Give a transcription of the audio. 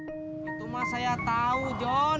itu mas saya tahu john